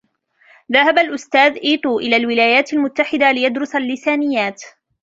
ذهب الأستاذ إتو إلى الولايات المتحدة ليدرس اللسانيات.